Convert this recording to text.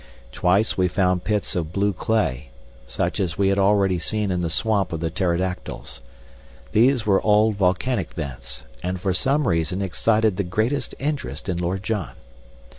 Twice we found pits of blue clay, such as we had already seen in the swamp of the pterodactyls. These were old volcanic vents, and for some reason excited the greatest interest in Lord John.